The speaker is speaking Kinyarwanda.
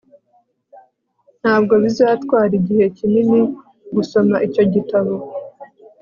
ntabwo bizatwara igihe kinini gusoma icyo gitabo